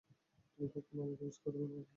তুমি কখনো আমাকে, মিস করনি পূজা।